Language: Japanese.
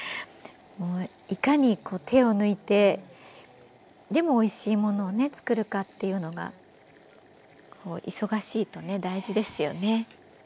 もういかに手を抜いてでもおいしいものをね作るかっていうのが忙しいとね大事ですよね。